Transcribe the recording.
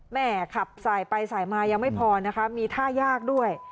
แม่ขับสายไปสายมายังไม่พอนะคะมีท่ายากด้วย